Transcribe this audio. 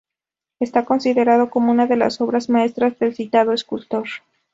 Está considerado como una de las obras maestras del citado escultor.